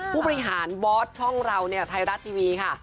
ผู้บริหารบอสช่องเราเนี่ยไทยรัฐทีวีค่ะ